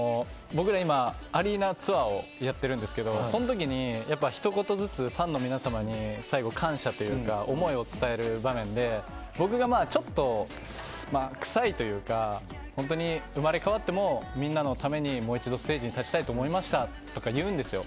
僕ら今、アリーナツアーをやっているんですけどその時に、ひと言ずつファンの皆様に最後、感謝というか思いを伝える場面で僕がちょっとくさいというか本当に生まれ変わってもみんなのためにもう一度ステージに立ちたいと思いましたとか言うんですよ。